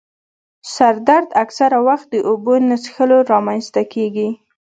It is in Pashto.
سر درد اکثره وخت د اوبو نه څیښلو رامنځته کېږي.